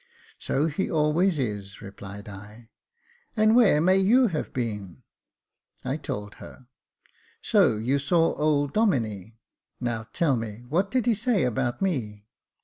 "So he always is," replied I. " And where may you have been ?" I told her. " So 292 Jacob Faithful you saw old Domine. Now, tell me, what did he say about me